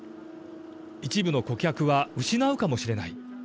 一部の顧客は失うかもしれない。